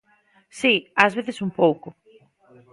Si, ás veces un pouco.